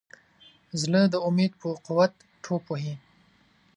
زړه د امید په قوت ټوپ وهي.